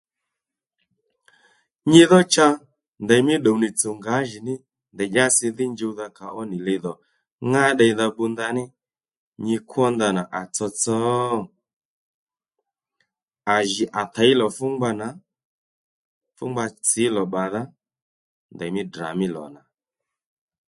Nyi dhó cha ndèymí ddùwnì tsùw ngǎjìní ndèy dyási dhí njuwdha kàónì lì dhò ŋá ddeydha bbu ndanì nyi kwó ndanà à tsotso? À ji à těy lò fú ngba nà fú ngba tsǐ lò bbàdha ndèymí Ddrà mí lò nà